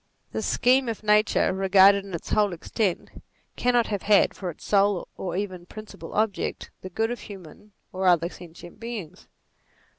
The scheme of Nature regarded in its whole extent, cannot have had, for its sole or even principal object, the good of human or other sentient beings.